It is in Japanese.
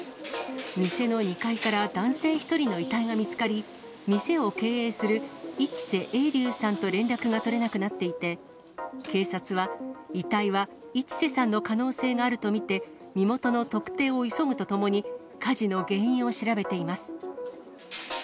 店の２階から男性１人の遺体が見つかり、店を経営する一瀬英滝さんと連絡が取れなくなっていて、警察は遺体は一瀬さんの可能性があると見て、身元の特定を急ぐとともに、火事の原因を調べています。